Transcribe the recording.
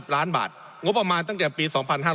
๙๑๐ล้านบาทงบออกมาตั้งแต่ปี๒๕๖๔